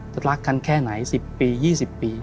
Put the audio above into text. รักกันแค่ไหน๑๐ปี๒๐ปี